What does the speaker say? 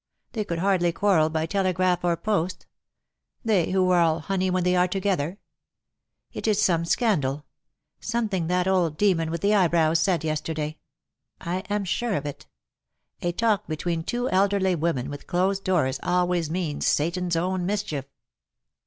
They could hardly quarrel by telegraph or post — they who are all honey when they are together. It is some scandal — something that old demon with the eyebrows said yesterday. I am sure of it — a talk between two elderly women with closed doors always means Satan^s own mischief."